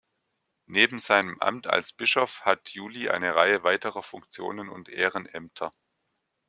Neben seinem Amt als Bischof hat July eine Reihe weiterer Funktionen und Ehrenämter.